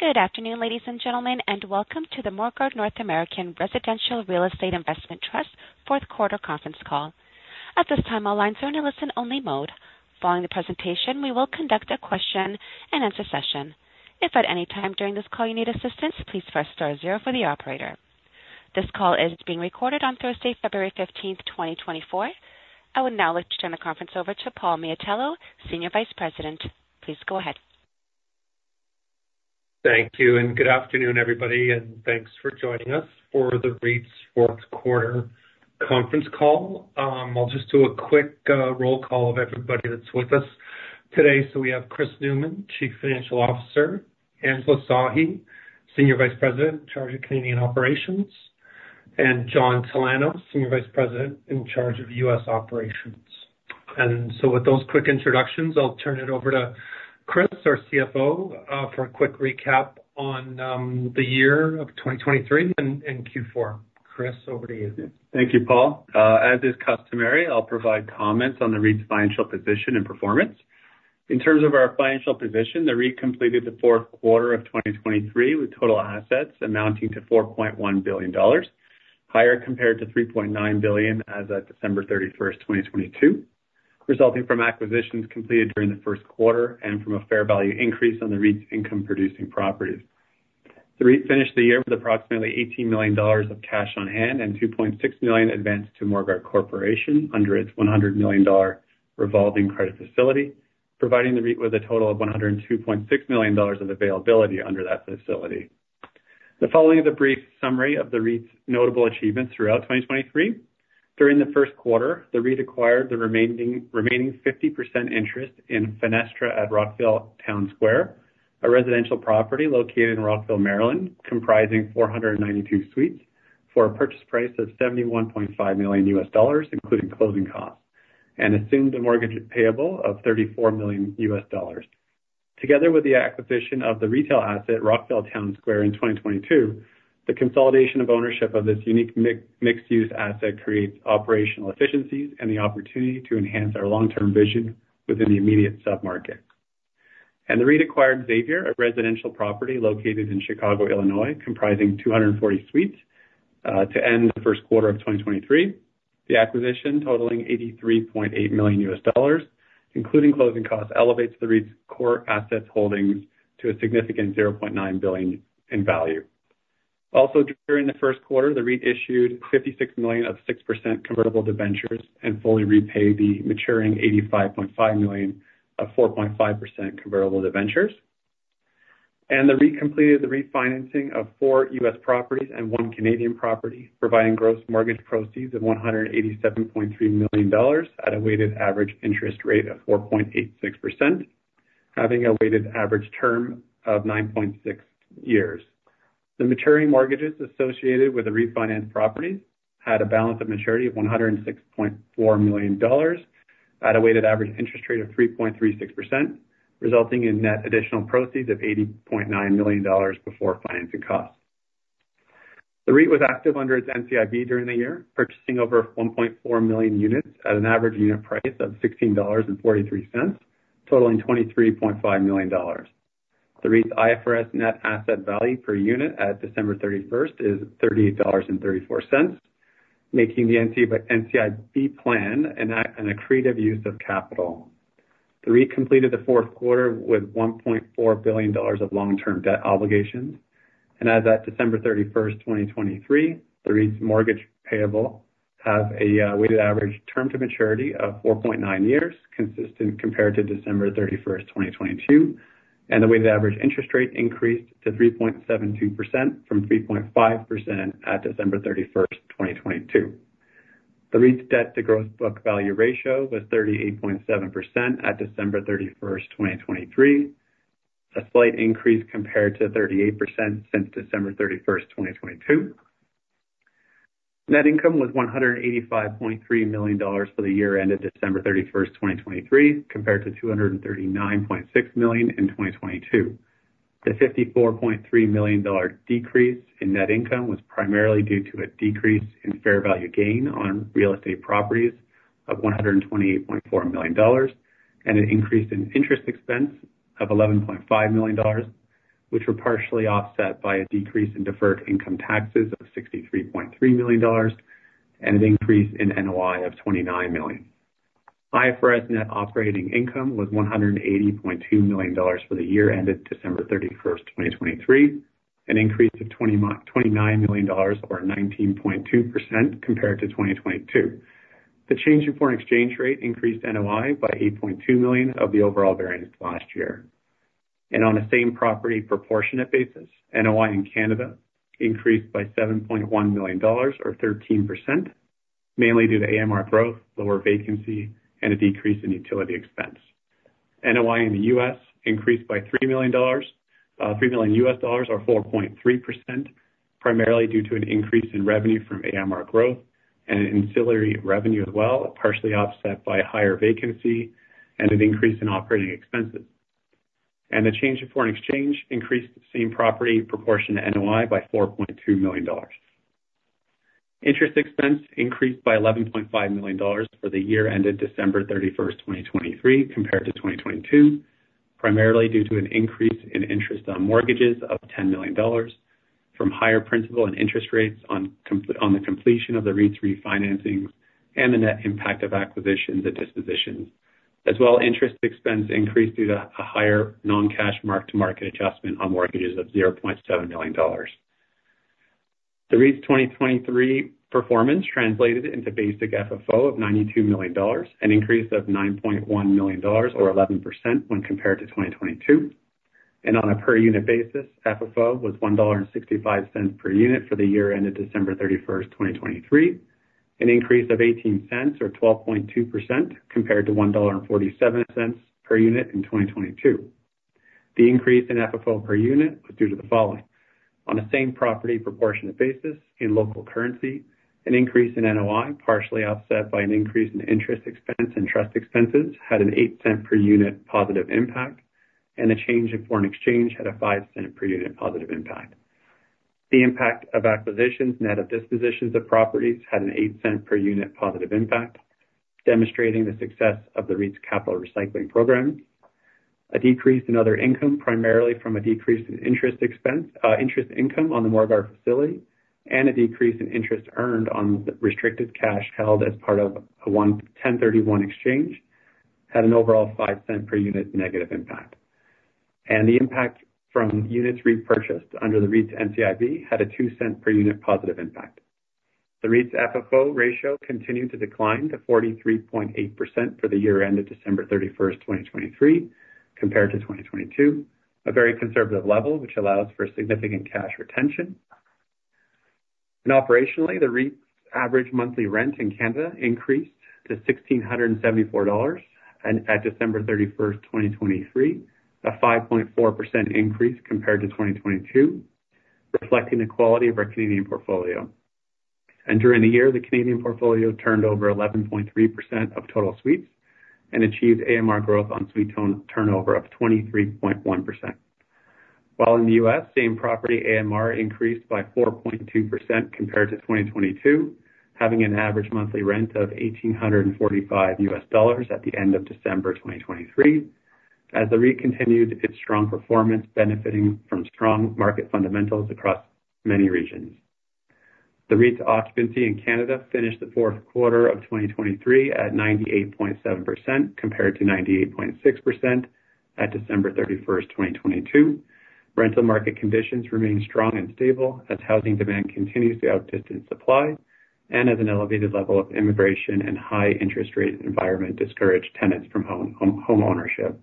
Good afternoon, ladies and gentlemen, and welcome to the Morguard North American Residential Real Estate Investment Trust fourth quarter conference call. At this time, our lines are in a listen-only mode. Following the presentation, we will conduct a question-and-answer session. If at any time during this call you need assistance, please press star zero for the operator. This call is being recorded on Thursday, February 15th, 2024. I would now like to turn the conference over to Paul Miatello, Senior Vice President. Please go ahead. Thank you, and good afternoon, everybody, and thanks for joining us for the REIT's fourth quarter conference call. I'll just do a quick roll call of everybody that's with us today. So we have Chris Newman, Chief Financial Officer, Angela Sahi, Senior Vice President in charge of Canadian Operations, and John Talano, Senior Vice President in charge of U.S. Operations. And so with those quick introductions, I'll turn it over to Chris, our CFO, for a quick recap on the year of 2023 and Q4. Chris, over to you. Yeah. Thank you, Paul. As is customary, I'll provide comments on the REIT's financial position and performance. In terms of our financial position, the REIT completed the fourth quarter of 2023 with total assets amounting to 4.1 billion dollars, higher compared to 3.9 billion as of December 31st, 2022, resulting from acquisitions completed during the first quarter and from a fair value increase on the REIT's income-producing properties. The REIT finished the year with approximately 18 million dollars of cash on hand and 2.6 million advanced to Morguard Corporation under its 100 million dollar revolving credit facility, providing the REIT with a total of 102.6 million dollars of availability under that facility. The following is a brief summary of the REIT's notable achievements throughout 2023. During the first quarter, the REIT acquired the remaining 50% interest in Fenestra at Rockville Town Square, a residential property located in Rockville, Maryland, comprising 492 suites for a purchase price of $71.5 million, including closing costs, and assumed a mortgage payable of $34 million. Together with the acquisition of the retail asset Rockville Town Square in 2022, the consolidation of ownership look of this unique mixed-use asset creates operational efficiencies and the opportunity to enhance our long-term vision within the immediate submarket. The REIT acquired Xavier, a residential property located in Chicago, Illinois, comprising 240 suites, to end the first quarter of 2023. The acquisition, totaling $83.8 million, including closing costs, elevates the REIT's core assets holdings to a significant $0.9 billion in value. Also, during the first quarter, the REIT issued 56 million of 6% convertible debentures and fully repaid the maturing 85.5 million of 4.5% convertible debentures. The REIT completed the refinancing of four U.S. properties and one Canadian property, providing gross mortgage proceeds of 187.3 million dollars at a weighted average interest rate of 4.86%, having a weighted average term of 9.6 years. The maturing mortgages associated with the refinanced properties had a balance of maturity of 106.4 million dollars at a weighted average interest rate of 3.36%, resulting in net additional proceeds of 80.9 million dollars before financing costs. The REIT was active under its NCIB during the year, purchasing over 1.4 million units at an average unit price of 16.43 dollars, totaling 23.5 million dollars. The REIT's IFRS net asset value per unit at December 31st is 38.34 dollars, making the NCIB plan an accretive use of capital. The REIT completed the fourth quarter with 1.4 billion dollars of long-term debt obligations. As of December 31st, 2023, the REIT's mortgage payable has a weighted average term to maturity of 4.9 years, consistent compared to December 31st, 2022, and the weighted average interest rate increased to 3.72% from 3.5% at December 31st, 2022. The REIT's debt to gross book value ratio was 38.7% at December 31st, 2023, a slight increase compared to 38% since December 31st, 2022. Net income was 185.3 million dollars for the year ended December 31st, 2023, compared to 239.6 million in 2022. The 54.3 million dollar decrease in net income was primarily due to a decrease in fair value gain on real estate properties of 128.4 million dollars and an increase in interest expense of 11.5 million dollars, which were partially offset by a decrease in deferred income taxes of 63.3 million dollars and an increase in NOI of 29 million. IFRS net operating income was 180.2 million dollars for the year ended December 31st, 2023, an increase of CAD 20.29 million or 19.2% compared to 2022. The change in foreign exchange rate increased NOI by 8.2 million of the overall variance last year. On a same property proportionate basis, NOI in Canada increased by 7.1 million dollars or 13%, mainly due to AMR growth, lower vacancy, and a decrease in utility expense. NOI in the U.S. increased by 3 million dollars CAD 3 million or 4.3%, primarily due to an increase in revenue from AMR growth and an ancillary revenue as well, partially offset by higher vacancy and an increase in operating expenses. The change in foreign exchange increased same property proportionate NOI by 4.2 million dollars. Interest expense increased by 11.5 million dollars for the year ended December 31st, 2023, compared to 2022, primarily due to an increase in interest on mortgages of 10 million dollars from higher principal and interest rates on the completion of the REIT's refinancings and the net impact of acquisitions and dispositions, as well as interest expense increase due to a higher non-cash mark-to-market adjustment on mortgages of 0.7 million dollars. The REIT's 2023 performance translated into basic FFO of 92 million dollars, an increase of 9.1 million dollars or 11% when compared to 2022. On a per-unit basis, FFO was 1.65 dollar per unit for the year ended December 31st, 2023, an increase of 0.18 or 12.2% compared to 1.47 dollar per unit in 2022. The increase in FFO per unit was due to the following: on a same property proportionate basis in local currency, an increase in NOI partially offset by an increase in interest expense and trust expenses had a 0.08 per unit positive impact, and the change in foreign exchange had a 0.05 per unit positive impact. The impact of acquisitions net of dispositions of properties had a 0.08 per unit positive impact, demonstrating the success of the REIT's capital recycling program. A decrease in other income, primarily from a decrease in interest expense and interest income on the Morguard facility and a decrease in interest earned on the restricted cash held as part of a 1031 exchange, had an overall 0.05 per unit negative impact. The impact from units repurchased under the REIT's NCIB had a 0.02 per unit positive impact. The REIT's FFO ratio continued to decline to 43.8% for the year ended December 31st, 2023, compared to 2022, a very conservative level, which allows for significant cash retention. Operationally, the REIT's average monthly rent in Canada increased to 1,674 dollars at December 31st, 2023, a 5.4% increase compared to 2022, reflecting the quality of our Canadian portfolio. During the year, the Canadian portfolio turned over 11.3% of total suites and achieved AMR growth on suite turnover of 23.1%. While in the U.S., same property AMR increased by 4.2% compared to 2022, having an average monthly rent of $1,845 at the end of December 2023, as the REIT continued its strong performance, benefiting from strong market fundamentals across many regions. The REIT's occupancy in Canada finished the fourth quarter of 2023 at 98.7% compared to 98.6% at December 31st, 2022. Rental market conditions remain strong and stable as housing demand continues to outdistance supply and as an elevated level of immigration and high interest rate environment discourage tenants from home ownership.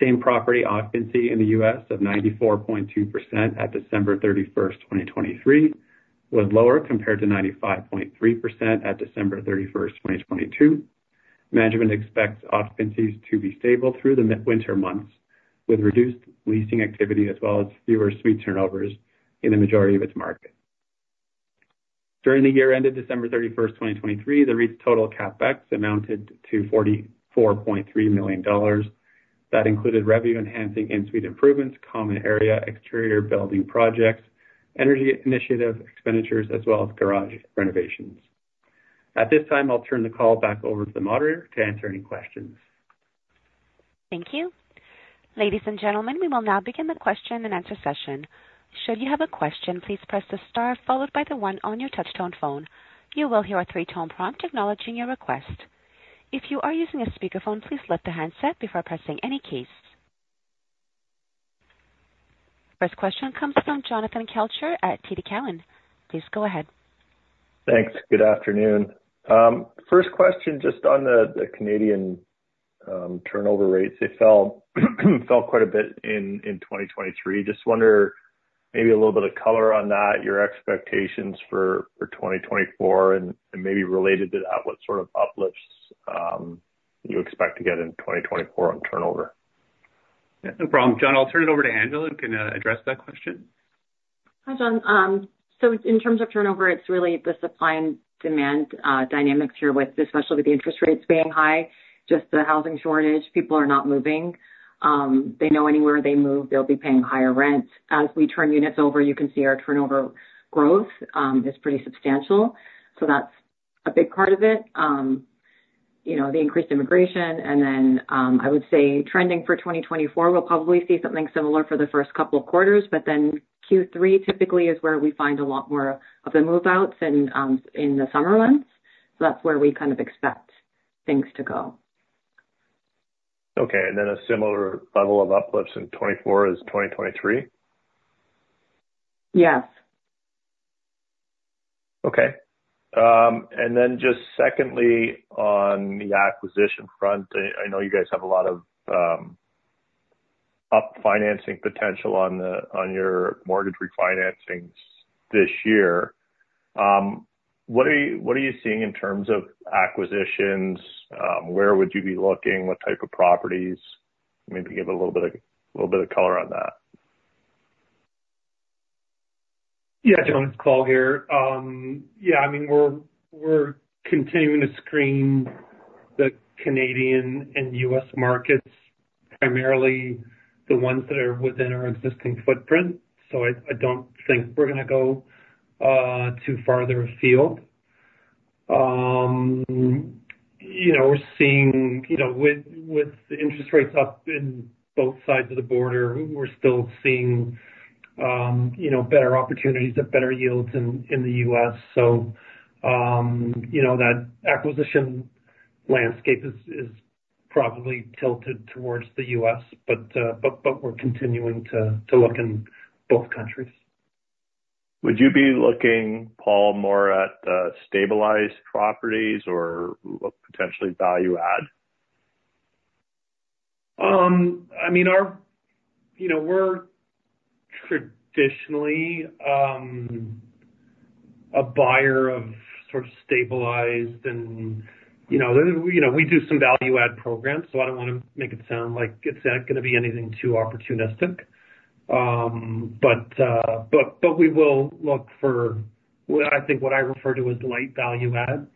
Same property occupancy in the U.S. of 94.2% at December 31st, 2023, was lower compared to 95.3% at December 31st, 2022. Management expects occupancies to be stable through the midwinter months with reduced leasing activity as well as fewer suite turnovers in the majority of its market. During the year ended December 31st, 2023, the REIT's total Capex amounted to 44.3 million dollars. That included revenue-enhancing in-suite improvements, common area exterior building projects, energy initiative expenditures, as well as garage renovations. At this time, I'll turn the call back over to the moderator to answer any questions. Thank you. Ladies and gentlemen, we will now begin the question-and-answer session. Should you have a question, please press the star followed by the 1 on your touch-tone phone. You will hear a three-tone prompt acknowledging your request. If you are using a speakerphone, please lift the handset before pressing any keys. First question comes from Jonathan Kelcher at TD Cowen. Please go ahead. Thanks. Good afternoon. First question just on the Canadian turnover rates. They fell quite a bit in 2023. Just wonder maybe a little bit of color on that, your expectations for 2024, and maybe related to that, what sort of uplifts you expect to get in 2024 on turnover. Yeah. No problem, John. I'll turn it over to Angela who can address that question. Hi, John. So in terms of turnover, it's really the supply and demand dynamics here with especially with the interest rates being high, just the housing shortage. People are not moving. They know anywhere they move, they'll be paying higher rent. As we turn units over, you can see our turnover growth is pretty substantial. So that's a big part of it. You know, the increased immigration and then, I would say trending for 2024, we'll probably see something similar for the first couple of quarters. But then Q3 typically is where we find a lot more of the moveouts and in the summer months. So that's where we kind of expect things to go. Okay. Then a similar level of uplift in 2024 as 2023? Yes. Okay. And then, just secondly, on the acquisition front, I know you guys have a lot of refinancing potential on your mortgage refinancings this year. What are you seeing in terms of acquisitions? Where would you be looking? What type of properties? Maybe give a little bit of color on that. Yeah, John. It's Paul here. Yeah, I mean, we're, we're continuing to screen the Canadian and U.S. markets, primarily the ones that are within our existing footprint. So I, I don't think we're gonna go too farther afield. You know, we're seeing you know, with, with the interest rates up in both sides of the border, we're still seeing, you know, better opportunities at better yields in, in the U.S. So, you know, that acquisition landscape is, is probably tilted towards the U.S. But, but, but we're continuing to, to look in both countries. Would you be looking, Paul, more at, stabilized properties or potentially value add? I mean, our, you know, we're traditionally a buyer of sort of stabilized and, you know, there, you know, we do some value add programs. So I don't wanna make it sound like it's not gonna be anything too opportunistic. But we will look for what I refer to as light value add.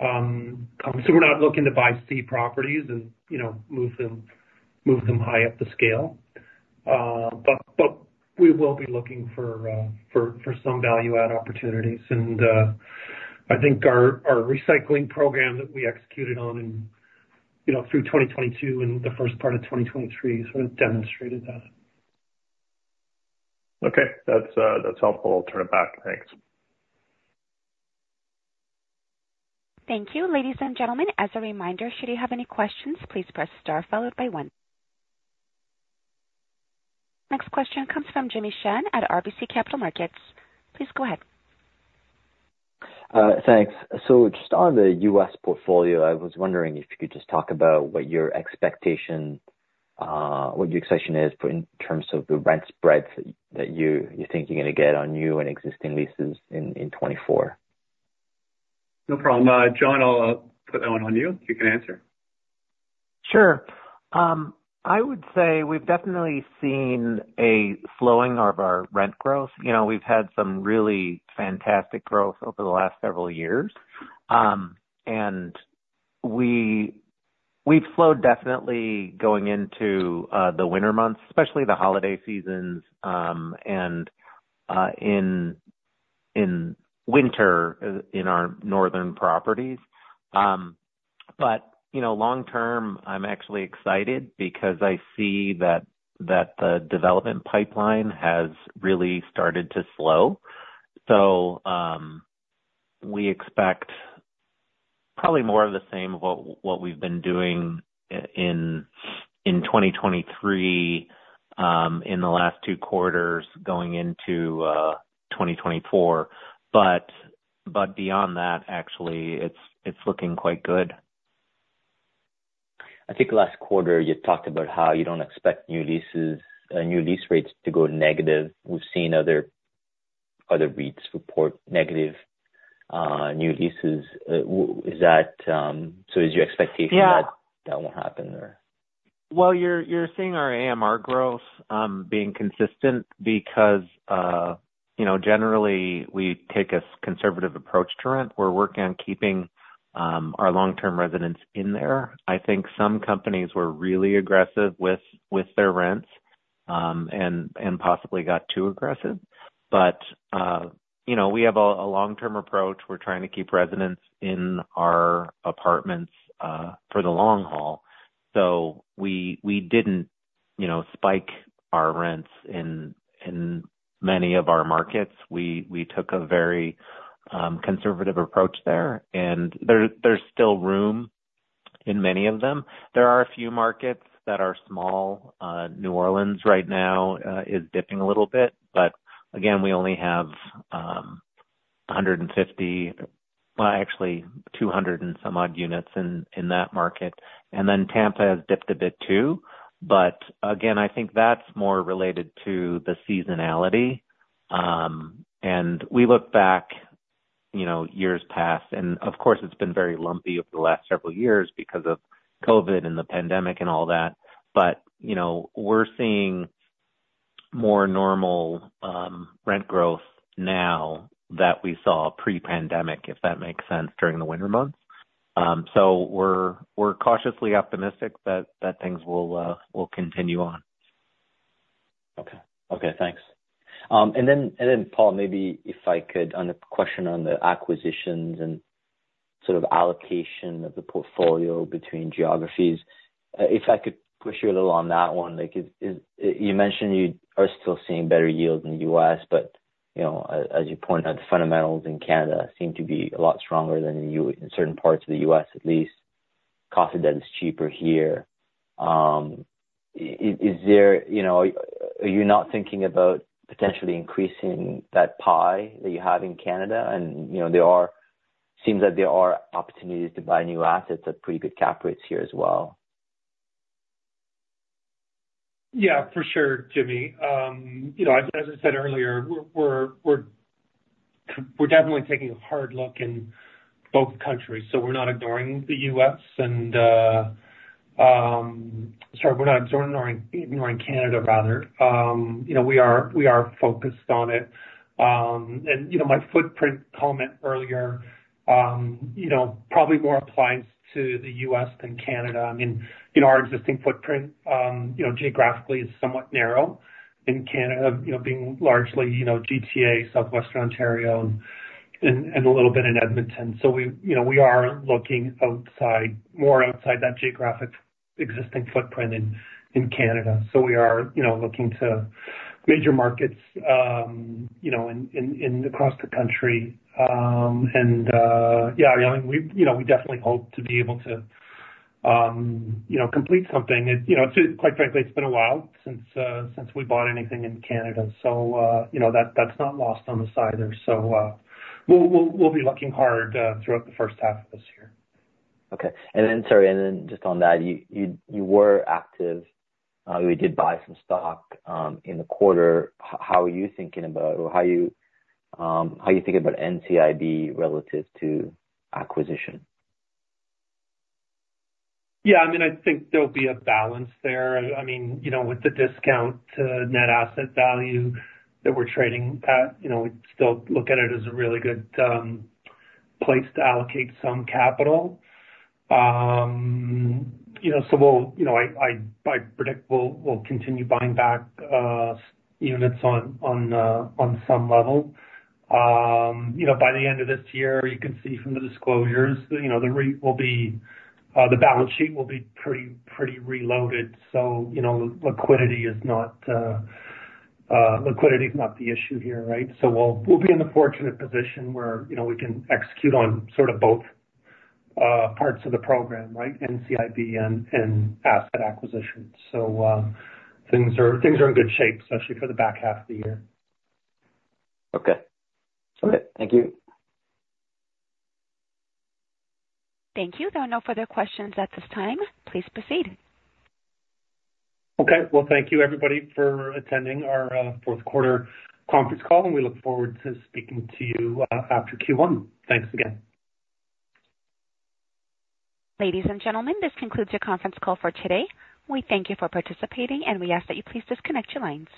So we're not looking to buy C properties and, you know, move them high up the scale. But we will be looking for some value add opportunities. And I think our recycling program that we executed on in, you know, through 2022 and the first part of 2023 sort of demonstrated that. Okay. That's, that's helpful. I'll turn it back. Thanks. Thank you. Ladies and gentlemen, as a reminder, should you have any questions, please press star followed by 1. Next question comes from Jimmy Shan at RBC Capital Markets. Please go ahead. Thanks. So just on the U.S. portfolio, I was wondering if you could just talk about what your expectation is for in terms of the rent spreads that you think you're gonna get on new and existing leases in 2024. No problem. John, I'll put that one on you. You can answer. Sure. I would say we've definitely seen a slowing of our rent growth. You know, we've had some really fantastic growth over the last several years. And we've slowed definitely going into the winter months, especially the holiday seasons, and in winter in our northern properties. But you know, long term, I'm actually excited because I see that the development pipeline has really started to slow. So we expect probably more of the same of what we've been doing in 2023, in the last two quarters going into 2024. But beyond that, actually, it's looking quite good. I think last quarter, you talked about how you don't expect new leases new lease rates to go negative. We've seen other REITs report negative new leases. Why is that, so is your expectation that. Yeah. That won't happen or? Well, you're seeing our AMR growth being consistent because, you know, generally, we take a conservative approach to rent. We're working on keeping our long-term residents in there. I think some companies were really aggressive with their rents, and possibly got too aggressive. But, you know, we have a long-term approach. We're trying to keep residents in our apartments for the long haul. So we didn't, you know, spike our rents in many of our markets. We took a very conservative approach there. And there's still room in many of them. There are a few markets that are small. New Orleans right now is dipping a little bit. But again, we only have 150, well, actually, 200 and some odd units in that market. And then Tampa has dipped a bit too. But again, I think that's more related to the seasonality. And we look back, you know, years past. And of course, it's been very lumpy over the last several years because of COVID and the pandemic and all that. But, you know, we're seeing more normal rent growth now that we saw pre-pandemic, if that makes sense, during the winter months. So we're cautiously optimistic that things will continue on. Okay. Thanks. And then, Paul, maybe if I could on the question on the acquisitions and sort of allocation of the portfolio between geographies, if I could push you a little on that one. Like, you mentioned you are still seeing better yields in the U.S., but, you know, as you point out, the fundamentals in Canada seem to be a lot stronger than in the U.S. in certain parts of the U.S., at least. Cost of debt is cheaper here. Is there, you know, are you not thinking about potentially increasing that pie that you have in Canada? And, you know, there seems that there are opportunities to buy new assets at pretty good cap rates here as well. Yeah, for sure, Jimmy. You know, as I said earlier, we're definitely taking a hard look in both countries. So we're not ignoring the U.S. And, sorry, we're not ignoring Canada, rather. You know, we are focused on it. And, you know, my footprint comment earlier, you know, probably more applies to the U.S. than Canada. I mean, you know, our existing footprint, you know, geographically is somewhat narrow in Canada, you know, being largely, you know, GTA, Southwestern Ontario, and a little bit in Edmonton. So we, you know, we are looking outside that geographic existing footprint in Canada. So we are, you know, looking to major markets, you know, in across the country. And, yeah, I mean, we, you know, we definitely hope to be able to, you know, complete something. It's, you know, quite frankly, it's been a while since we bought anything in Canada. So, you know, that's not lost on us either. So, we'll be looking hard throughout the first half of this year. Okay. Sorry. And then just on that, you were active. We did buy some stock in the quarter. How are you thinking about or how you think about NCIB relative to acquisition? Yeah. I mean, I think there'll be a balance there. I mean, you know, with the discount to net asset value that we're trading at, you know, we still look at it as a really good place to allocate some capital. You know, so we'll, you know, I predict we'll continue buying back units on some level. You know, by the end of this year, you can see from the disclosures that, you know, the rate, the balance sheet will be pretty reloaded. So, you know, liquidity's not the issue here, right? So we'll be in the fortunate position where, you know, we can execute on sort of both parts of the program, right, NCIB and asset acquisition. So, things are in good shape, especially for the back half of the year. Okay. All right. Thank you. Thank you. There are no further questions at this time. Please proceed. Okay. Well, thank you, everybody, for attending our fourth-quarter conference call. We look forward to speaking to you after Q1. Thanks again. Ladies and gentlemen, this concludes our conference call for today. We thank you for participating, and we ask that you please disconnect your lines.